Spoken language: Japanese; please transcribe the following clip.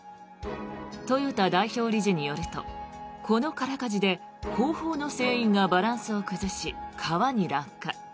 豊田代表理事によるとこの空かじで後方の船員がバランスを崩し川に落下。